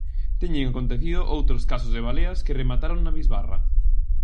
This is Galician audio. Teñen acontecido outros casos de baleas que remataron na bisbarra.